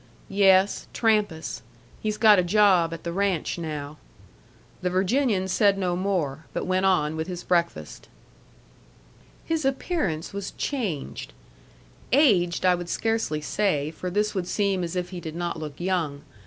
"Yes. Trampas. He's got a job at the ranch now." The Virginian said no more, but went on with his breakfast. His appearance was changed. Aged I would scarcely say, for this would seem as if he did not look young.